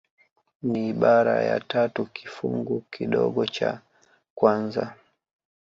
Ni ibara ya tatu kifungu kidogo cha kwanza